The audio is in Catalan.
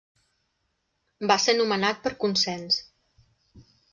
Va ser nomenat per consens.